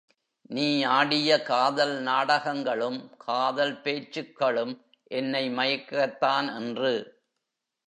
நீ ஆடிய காதல் நாடகங்களும் காதல் பேச்சுக்களும் என்னை மயக்கத்தான் என்று.